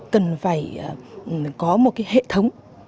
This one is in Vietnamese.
cần phải có một hệ thống